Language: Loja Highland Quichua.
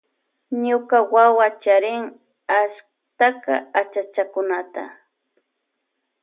Ñuka wawa charin ashtaka achachakunata.